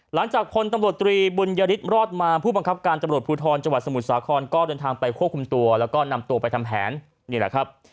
หลังจากพลตำรวจตรีบุญยฤทธิรอดมาผู้บังคับการตำรวจภูทรจังหวัดสมุทรสาครก็เดินทางไปควบคุมตัวแล้วก็นำตัวไปทำแผนนี่แหละครับ